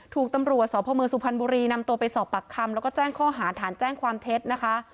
ถูกตำรวจสพมสุพรรณบุรีนำตัวไปสอบปากคำแล้วก็แจ้งข้อหาฐานแจ้งความเท็จนะคะ